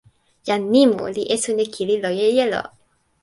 jan Nimu li esun e kili loje jelo.